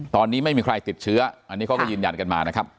ตอนนี้ไม่มีใครติดเชื้ออันนี้เขาก็ยืนยันกันมานะครับ